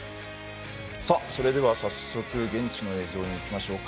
それでは、早速現地の映像にいきましょうか。